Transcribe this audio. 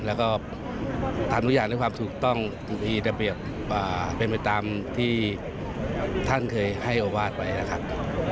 แล้วก็ทำทุกอย่างด้วยความถูกต้องมีระเบียบเป็นไปตามที่ท่านเคยให้โอวาสไว้นะครับ